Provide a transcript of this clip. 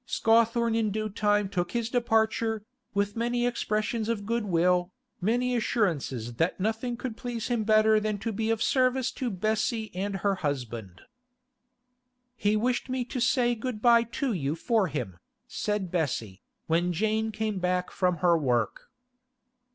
Scawthorne in due time took his departure, with many expressions of goodwill, many assurances that nothing could please him better than to be of service to Bessie and her husband. 'He wished me to say good bye to you for him,' said Bessie, when Jane came back from her work.